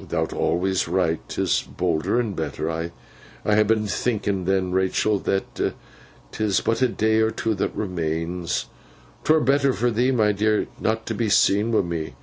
'Thou'rt awlus right. 'Tis bolder and better. I ha been thinkin then, Rachael, that as 'tis but a day or two that remains, 'twere better for thee, my dear, not t' be seen wi' me.